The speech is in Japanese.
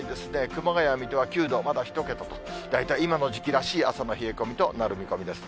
熊谷、水戸は９度、まだ１桁と、大体、今の時期らしい朝の冷え込みとなる見込みです。